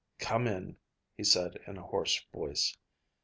"Come in," he said in a hoarse voice.